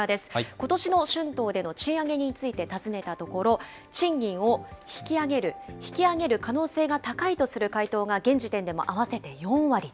ことしの春闘での賃上げについて尋ねたところ、賃金を引き上げる、引き上げる可能性が高いとする回答が現時点でも合わせて４割と。